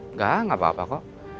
enggak enggak apa apa kok